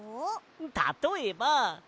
たとえば。